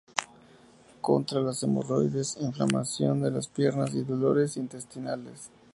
Contra las hemorroides, inflamación de las piernas y dolores intestinales.